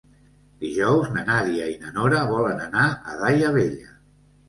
Dijous na Nàdia i na Nora volen anar a Daia Vella.